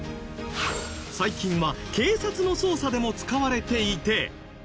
最近は警察の捜査でも使われていて。